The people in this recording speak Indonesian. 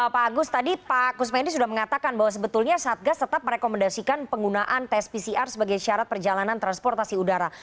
pak agus tadi pak kusmedi sudah mengatakan bahwa sebetulnya satgas tetap merekomendasikan penggunaan tes pcr sebagai syarat perjalanan transportasi udara